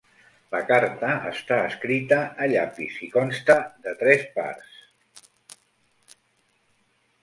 La carta està escrita a llapis i consta de tres parts.